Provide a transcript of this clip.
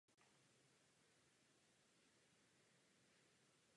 Vedle toho existuje řada rozhlasových nahrávek jednotlivých čísel opery.